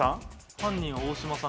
犯人は大嶋さん。